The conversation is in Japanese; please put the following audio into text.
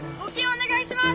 お願いします！